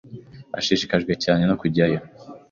Ashishikajwe cyane no kujyayo.